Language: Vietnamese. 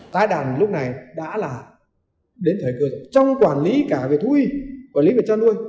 tái đàn lúc này đã là đến thời gian trong quản lý cả về thu y quản lý về chân nuôi